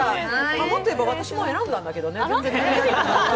もっと言えば私も選んだんだけどね。